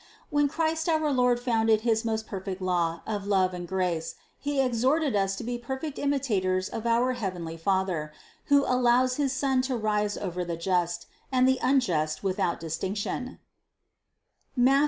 When Christ Our Lord founded his most perfect law of love and grace, He exhorted us to be perfect imitators of our heavenly Father, who al lows his sun to rise over the just and the unjust without distinction (Matth.